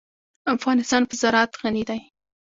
افغانستان په زراعت غني دی.